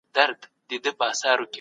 د غریبانو ستونزي باید په ګډه حل سي.